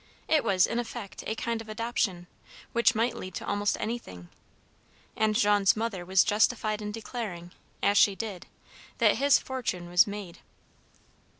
It was, in effect, a kind of adoption, which might lead to almost anything; and Jean's mother was justified in declaring, as she did, that his fortune was made.